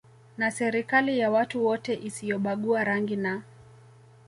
na serikali ya watu wote isiyobagua rangi na